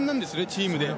チームで。